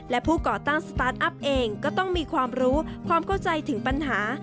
และผู้ก่อตั้งสตาร์ทอัพเองก็ต้องมีความรู้ความเข้าใจถึงปัญหา